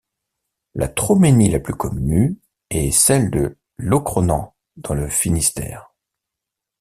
La troménie la plus connue est celle de Locronan dans le Finistère.